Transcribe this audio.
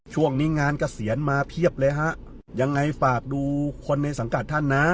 ช่วงนี้งานเกษียณมาเพียบเลยฮะยังไงฝากดูคนในสังกัดท่านนะ